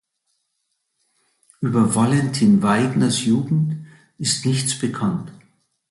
Über Valentin Weidners Jugend ist nichts bekannt.